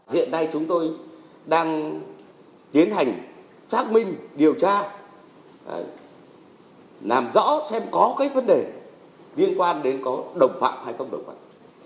hiện nay chúng tôi đang tiến hành xác minh điều tra làm rõ xem có cái vấn đề liên quan đến có đồng phạm hay không đồng phạm